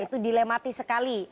itu dilematis sekali